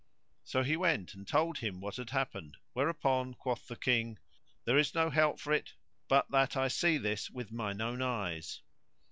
So he went and told him what had happened, where upon quoth the King, "There is no help for it but that I see this with mine own eyes."